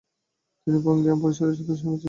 তিনি বঙ্গীয় আইন পরিষদের সদস্য নির্বাচিত হন।